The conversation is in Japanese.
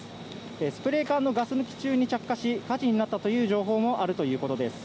スプレー缶のガス抜き中に発火し火事になったという情報もあるということです。